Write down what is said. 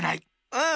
うん！